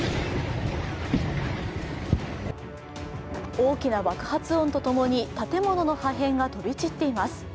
大きな爆発音とともに建物の破片が飛び散っています。